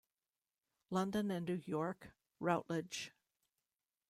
London and New York: Routledge.